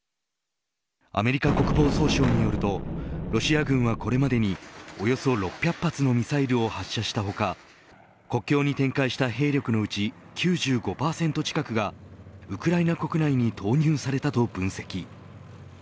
アメリカ国防総省によるとロシア軍はこれまでにおよそ６００発のミサイルを発射した他国境に展開した兵力のうち９５％近くがウクライナ国内に投入されたと分析。